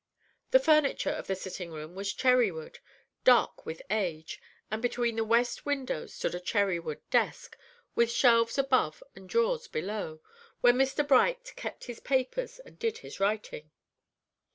The furniture of the sitting room was cherry wood, dark with age; and between the west windows stood a cherry wood desk, with shelves above and drawers below, where Mr. Bright kept his papers and did his writing.